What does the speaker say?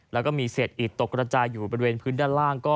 แล้วก็มีเศษอิดตกกระจายอยู่บริเวณพื้นด้านล่าง